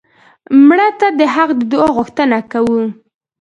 مړه ته د حق د دعا غوښتنه کوو